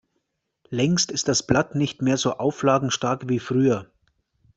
Längst ist das Blatt nicht mehr so auflagenstark wie früher.